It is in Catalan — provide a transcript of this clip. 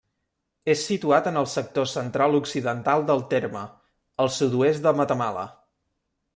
És situat en el sector central-occidental del terme, al sud-oest de Matamala.